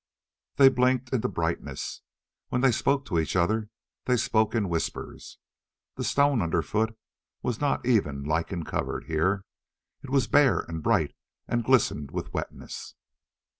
They blinked in the brightness. When they spoke to each other, they spoke in whispers. The stone underfoot was not even lichen covered, here. It was bare and bright and glistened with wetness.